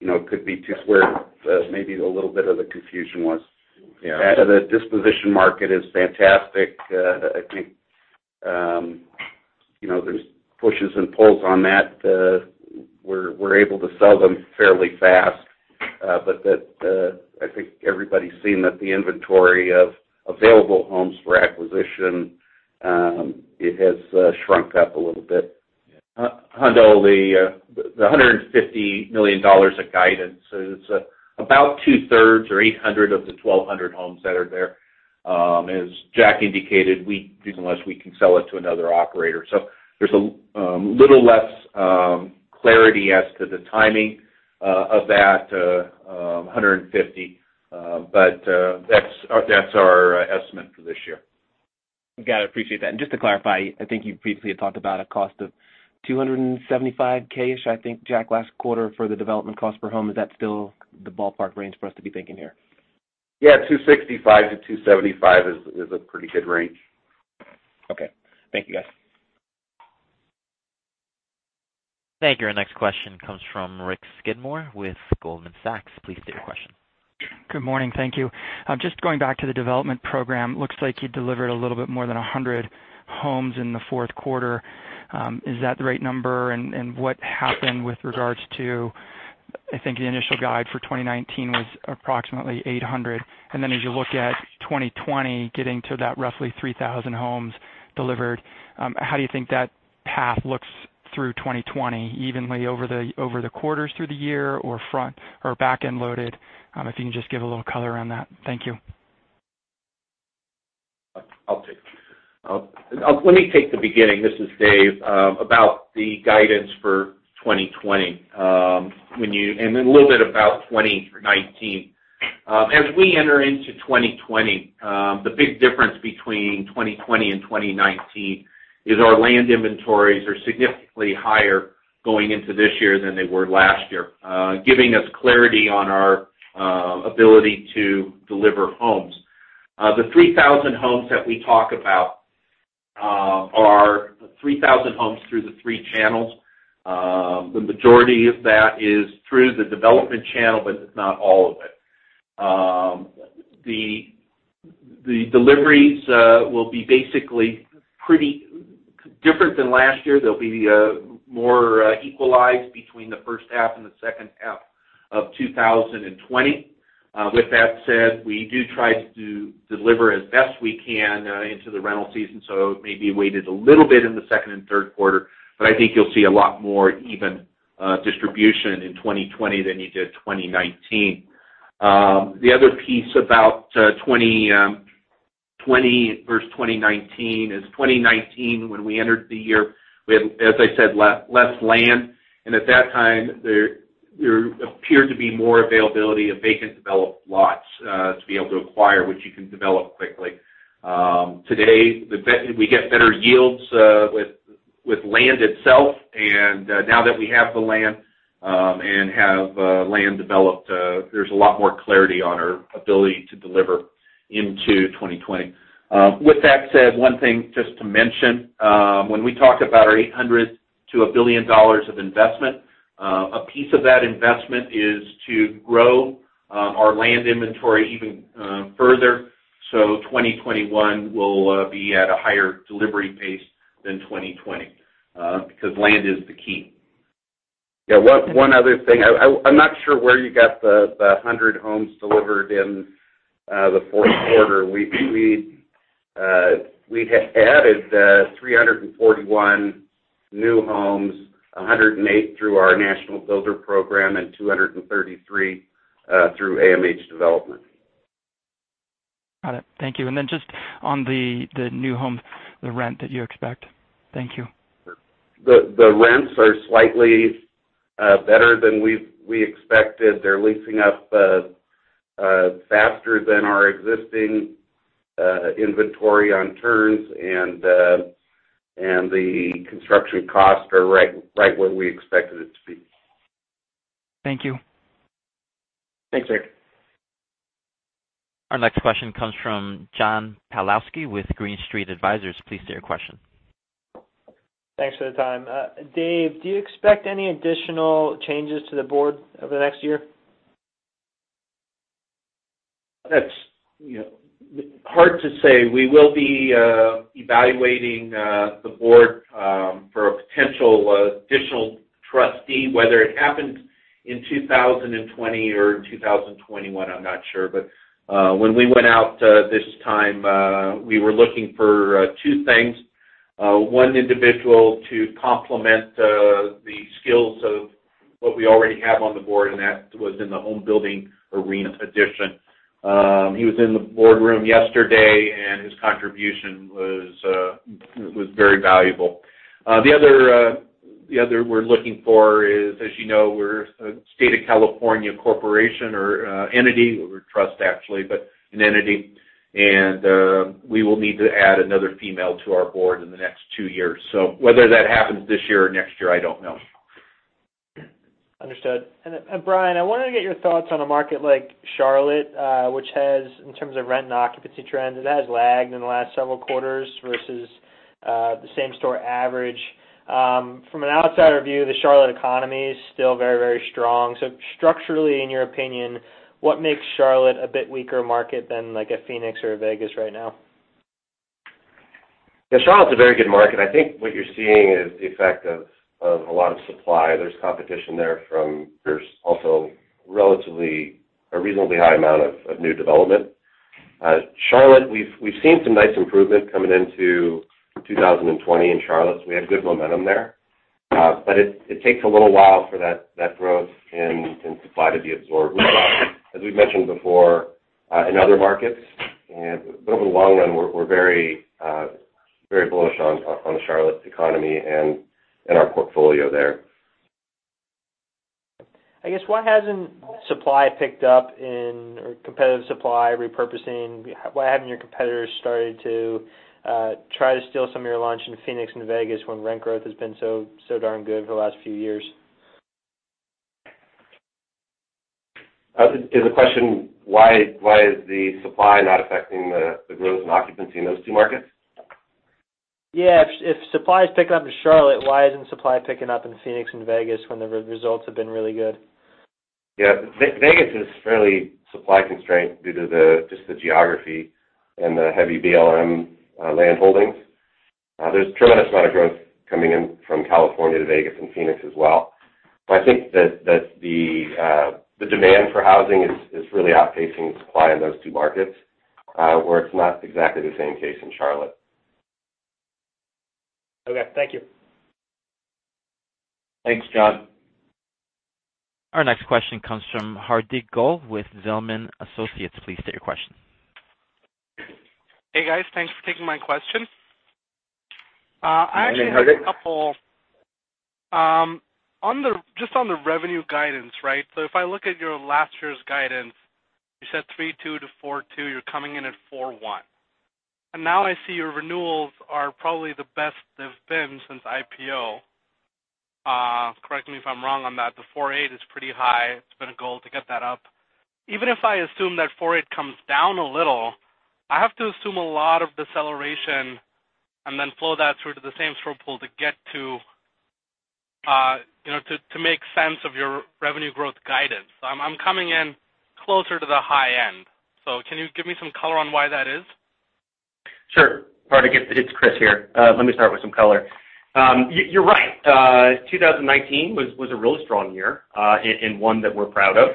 That could be to where maybe a little bit of the confusion was. Yeah. The disposition market is fantastic. I think there's pushes and pulls on that. We're able to sell them fairly fast. I think everybody's seen that the inventory of available homes for acquisition, it has shrunk up a little bit. Haendel, the $150 million of guidance is about 2/3 or 800 of the 1,200 homes that are there. As Jack indicated, unless we can sell it to another operator. There's a little less clarity as to the timing of that 150. That's our estimate for this year. Got it, appreciate that. Just to clarify, I think you previously had talked about a cost of $275,000-ish, I think, Jack, last quarter for the development cost per home. Is that still the ballpark range for us to be thinking here? Yeah, $265-$275 is a pretty good range. Okay. Thank you, guys. Thank you. Our next question comes from Rick Skidmore with Goldman Sachs. Please state your question. Good morning. Thank you. Just going back to the development program, looks like you delivered a little bit more than 100 homes in the fourth quarter. Is that the right number? What happened with regards to, I think, the initial guide for 2019 was approximately 800. As you look at 2020, getting to that roughly 3,000 homes delivered, how do you think that path looks through 2020, evenly over the quarters through the year or back-end loaded? If you can just give a little color on that. Thank you. Let me take the beginning, this is Dave, about the guidance for 2020. A little bit about 2019. As we enter into 2020, the big difference between 2020 and 2019 is our land inventories are significantly higher going into this year than they were last year, giving us clarity on our ability to deliver homes. The 3,000 homes that we talk about are 3,000 homes through the three channels. The majority of that is through the development channel, but it's not all of it. The deliveries will be basically pretty different than last year. They'll be more equalized between the first half and the second half of 2020. With that said, we do try to deliver as best we can into the rental season. It may be weighted a little bit in the second and third quarter, I think you'll see a lot more even distribution in 2020 than you did 2019. The other piece about 2020 versus 2019 is 2019, when we entered the year, we had, as I said, less land. At that time, there appeared to be more availability of vacant developed lots to be able to acquire, which you can develop quickly. Today, we get better yields with land itself. Now that we have the land and have land developed, there's a lot more clarity on our ability to deliver into 2020. With that said, one thing just to mention, when we talk about our $800 million-$1 billion of investment, a piece of that investment is to grow our land inventory even further. 2021 will be at a higher delivery pace than 2020, because land is the key. Yeah. One other thing. I'm not sure where you got the 100 homes delivered in the fourth quarter. We had added 341 new homes, 108 through our national builder program and 233 through AMH Development. Got it. Thank you. Just on the new home, the rent that you expect? Thank you. The rents are slightly better than we expected. They're leasing up faster than our existing inventory on turns, and the construction costs are right where we expected it to be. Thank you. Thanks, Rick. Our next question comes from John Pawlowski with Green Street Advisors. Please state your question. Thanks for the time. Dave, do you expect any additional changes to the board over the next year? That's hard to say. We will be evaluating the board for a potential additional trustee. Whether it happens in 2020 or 2021, I'm not sure. When we went out this time, we were looking for two things. One individual to complement the skills of what we already have on the board, and that was in the home building arena addition. He was in the boardroom yesterday, and his contribution was very valuable. The other we're looking for is, as you know, we're a state of California corporation or entity. We're a trust, actually, but an entity. We will need to add another female to our board in the next two years. Whether that happens this year or next year, I don't know. Understood. Bryan, I wanted to get your thoughts on a market like Charlotte, which has, in terms of rent and occupancy trends, it has lagged in the last several quarters versus the same store average. From an outsider view, the Charlotte economy is still very strong. Structurally, in your opinion, what makes Charlotte a bit weaker market than like a Phoenix or a Vegas right now? Yeah. Charlotte's a very good market. I think what you're seeing is the effect of a lot of supply. There's competition there. There's also a reasonably high amount of new development. Charlotte, we've seen some nice improvement coming into 2020 in Charlotte, so we have good momentum there. It takes a little while for that growth and supply to be absorbed. As we've mentioned before in other markets, but over the long run, we're very bullish on the Charlotte economy and our portfolio there. I guess why hasn't supply picked up in, or competitive supply, repurposing? Why haven't your competitors started to try to steal some of your launch in Phoenix and Vegas when rent growth has been so darn good for the last few years? Is the question, why is the supply not affecting the growth and occupancy in those two markets? If supply is picking up in Charlotte, why isn't supply picking up in Phoenix and Vegas when the results have been really good? Yeah. Vegas is fairly supply-constrained due to just the geography and the heavy BLM landholdings. There's a tremendous amount of growth coming in from California to Vegas and Phoenix as well. I think that the demand for housing is really outpacing supply in those two markets, where it's not exactly the same case in Charlotte. Okay. Thank you. Thanks, John. Our next question comes from Hardik Goel with Zelman & Associates. Please state your question. Hey, guys. Thanks for taking my question. Go ahead, Hardik. I actually had a couple. Just on the revenue guidance, right? If I look at your last year's guidance, you said 3.2%-4.2%. You're coming in at 4.1%. Now I see your renewals are probably the best they've been since IPO. Correct me if I'm wrong on that. The 4.8% is pretty high. It's been a goal to get that up. Even if I assume that 4.8% comes down a little, I have to assume a lot of deceleration and then flow that through to the same through pool to make sense of your revenue growth guidance. I'm coming in closer to the high end. Can you give me some color on why that is? Sure, Hardik. It's Chris here. Let me start with some color. You're right. 2019 was a really strong year, and one that we're proud of.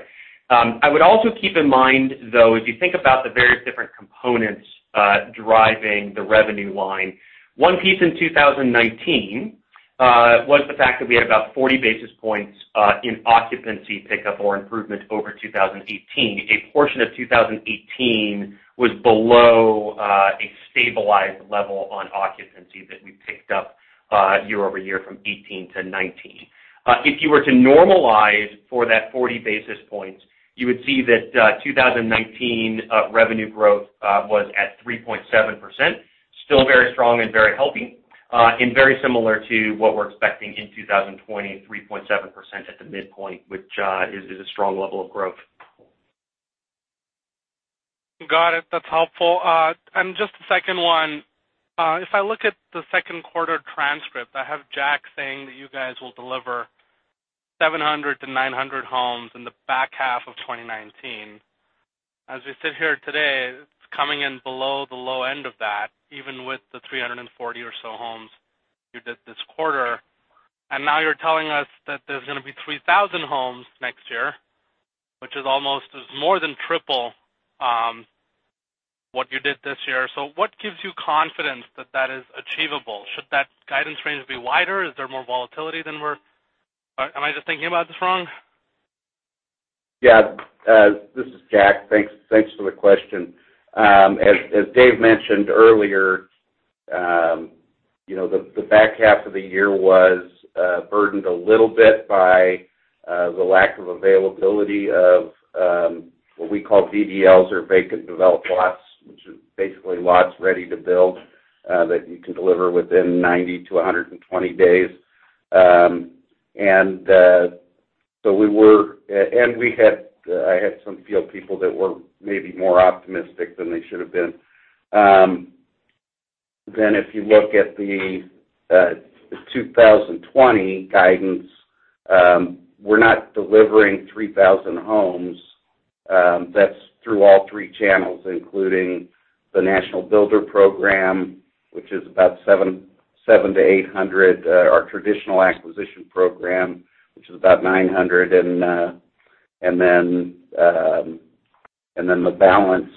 I would also keep in mind, though, if you think about the various different components driving the revenue line, one piece in 2019 was the fact that we had about 40 basis points in occupancy pickup or improvement over 2018. A portion of 2018 was below a stabilized level on occupancy that we picked up year-over-year from 2018-2019. If you were to normalize for that 40 basis points, you would see that 2019 revenue growth was at 3.7%, still very strong and very healthy, and very similar to what we're expecting in 2020, 3.7% at the midpoint, which is a strong level of growth. Got it. That's helpful. Just a second one. If I look at the second quarter transcript, I have Jack saying that you guys will deliver 700-900 homes in the back half of 2019. As we sit here today, it's coming in below the low end of that, even with the 340 or so homes you did this quarter. Now you're telling us that there's going to be 3,000 homes next year, which is more than triple what you did this year. What gives you confidence that is achievable? Should that guidance range be wider? Is there more volatility than we're? Am I just thinking about this wrong? Yeah. This is Jack. Thanks for the question. As Dave mentioned earlier, the back half of the year was burdened a little bit by the lack of availability of what we call VDLs or vacant developed lots, which is basically lots ready to build that you can deliver within 90-120 days. I had some field people that were maybe more optimistic than they should have been. If you look at the 2020 guidance, we're not delivering 3,000 homes. That's through all three channels, including the national builder program, which is about 700-800, our traditional acquisition program, which is about 900, and then the balance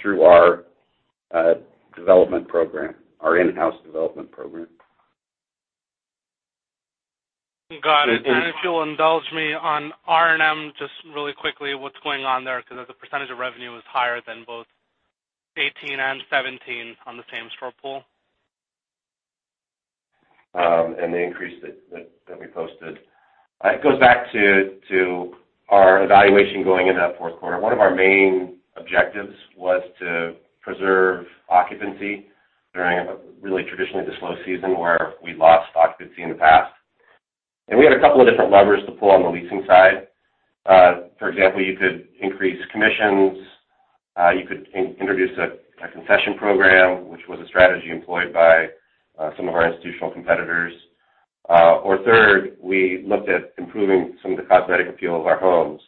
through our in-house development program. Got it. If you'll indulge me on R&M, just really quickly, what's going on there? As a percentage of revenue was higher than both 2018 and 2017 on the same store pool. The increase that we posted. It goes back to our evaluation going into that fourth quarter. One of our main objectives was to preserve occupancy during, really traditionally the slow season, where we lost occupancy in the past. We had a couple of different levers to pull on the leasing side. For example, you could increase commissions, you could introduce a concession program, which was a strategy employed by some of our institutional competitors. Third, we looked at improving some of the cosmetic appeal of our homes.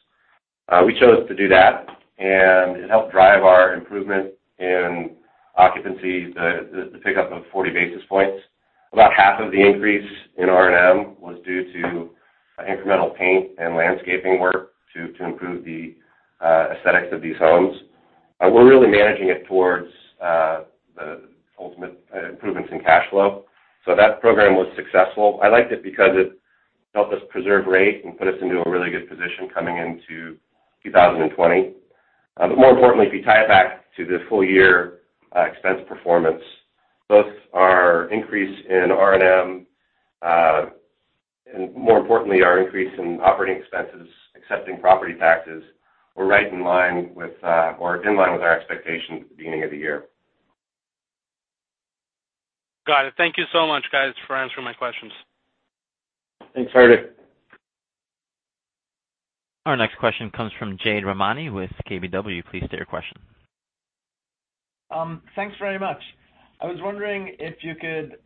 We chose to do that, and it helped drive our improvement in occupancy, the pickup of 40 basis points. About half of the increase in R&M was due to incremental paint and landscaping work to improve the aesthetics of these homes. We're really managing it towards the ultimate improvements in cash flow. That program was successful. I liked it because it helped us preserve rate and put us into a really good position coming into 2020. More importantly, if you tie it back to the full year expense performance, both our increase in R&M, and more importantly, our increase in operating expenses, excepting property taxes, were in line with our expectations at the beginning of the year. Got it. Thank you so much, guys, for answering my questions. Thanks, Hardik. Our next question comes from Jade Rahmani with KBW. Please state your question. Thanks very much. I was wondering if you could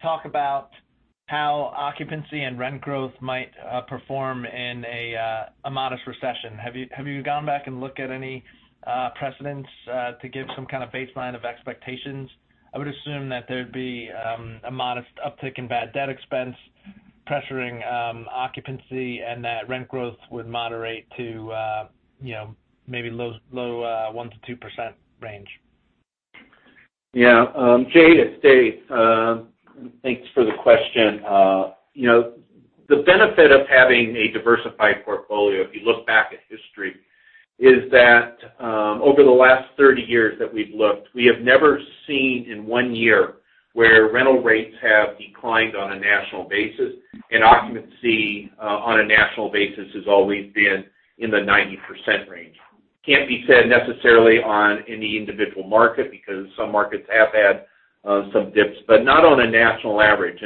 talk about how occupancy and rent growth might perform in a modest recession. Have you gone back and looked at any precedents to give some kind of baseline of expectations? I would assume that there'd be a modest uptick in bad debt expense pressuring occupancy, and that rent growth would moderate to maybe low 1%-2% range. Yeah. Jade, it's Dave. Thanks for the question. The benefit of having a diversified portfolio, if you look back at history, is that over the last 30 years that we've looked, we have never seen in one year where rental rates have declined on a national basis, and occupancy on a national basis has always been in the 90% range. Can't be said necessarily on any individual market, because some markets have had some dips, but not on a national average.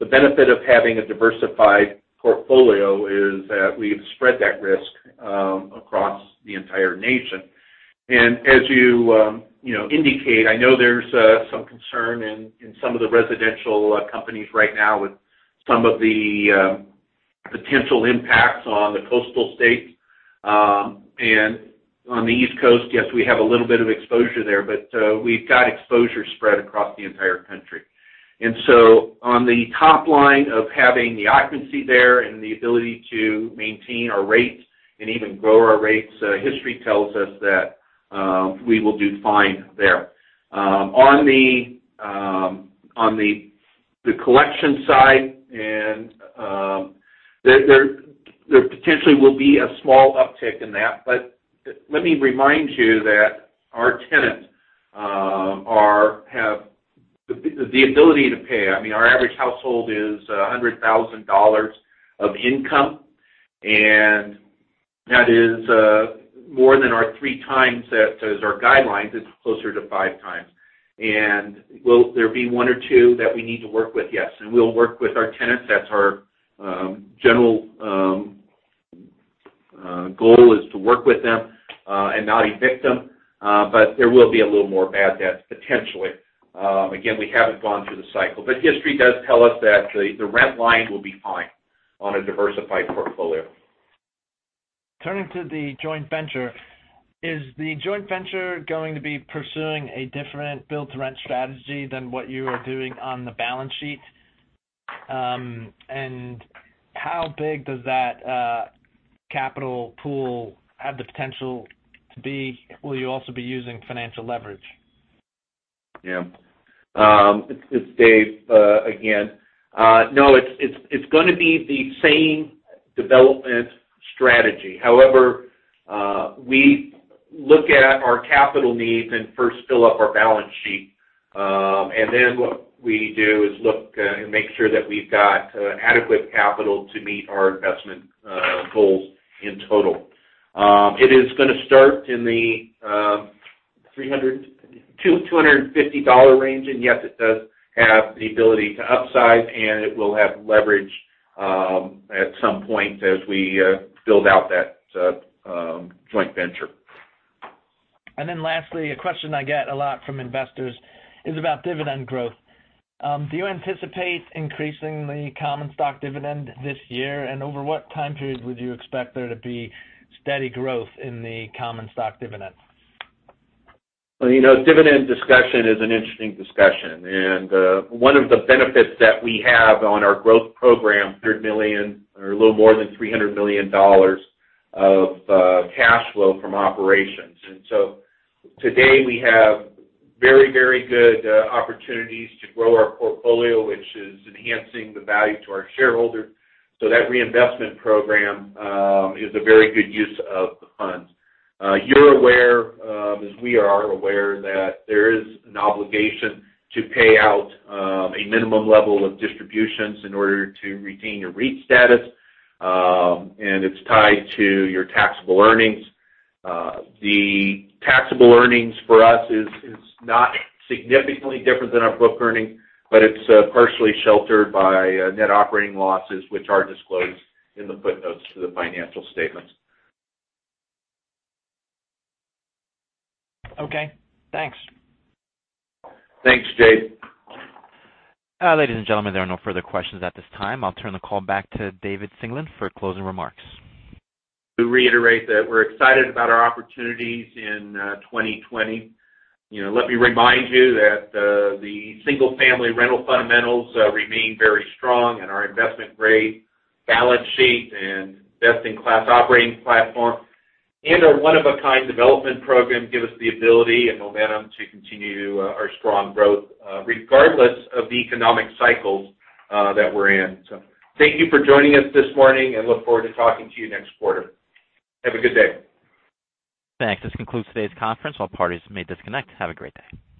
The benefit of having a diversified portfolio is that we've spread that risk across the entire nation. As you indicate, I know there's some concern in some of the residential companies right now with some of the potential impacts on the coastal states. On the East Coast, yes, we have a little bit of exposure there, but we've got exposure spread across the entire country. On the top line of having the occupancy there and the ability to maintain our rates and even grow our rates, history tells us that we will do fine there. On the collection side, there potentially will be a small uptick in that. Let me remind you that our tenants have the ability to pay. Our average household is $100,000 of income, and that is more than our three times as our guidelines. It's closer to five times. Will there be one or two that we need to work with? Yes. We'll work with our tenants. That's our general. The goal is to work with them and not evict them, but there will be a little more bad debt, potentially. Again, we haven't gone through the cycle, but history does tell us that the rent line will be fine on a diversified portfolio. Turning to the joint venture, is the joint venture going to be pursuing a different build-to-rent strategy than what you are doing on the balance sheet? How big does that capital pool have the potential to be? Will you also be using financial leverage? Yeah. It's Dave again. No, it's going to be the same development strategy. However, we look at our capital needs and first fill up our balance sheet, then what we do is look and make sure that we've got adequate capital to meet our investment goals in total. It is going to start in the $250,000 range, yes, it does have the ability to upsize, it will have leverage at some point as we build out that joint venture. Lastly, a question I get a lot from investors is about dividend growth. Do you anticipate increasing the common stock dividend this year? Over what time period would you expect there to be steady growth in the common stock dividend? Dividend discussion is an interesting discussion. One of the benefits that we have on our growth program, $300 million or a little more than $300 million of cash flow from operations. Today, we have very good opportunities to grow our portfolio, which is enhancing the value to our shareholders. That reinvestment program is a very good use of the funds. You're aware, as we are aware, that there is an obligation to pay out a minimum level of distributions in order to retain your REIT status, and it's tied to your taxable earnings. The taxable earnings for us is not significantly different than our book earning, but it's partially sheltered by net operating losses, which are disclosed in the footnotes to the financial statements. Okay, thanks. Thanks, Jade. Ladies and gentlemen, there are no further questions at this time. I'll turn the call back to David Singelyn for closing remarks. To reiterate that we're excited about our opportunities in 2020. Let me remind you that the single-family rental fundamentals remain very strong, and our investment-grade balance sheet and best-in-class operating platform and our one-of-a-kind development program give us the ability and momentum to continue our strong growth regardless of the economic cycles that we're in. Thank you for joining us this morning and look forward to talking to you next quarter. Have a good day. Thanks. This concludes today's conference. All parties may disconnect. Have a great day.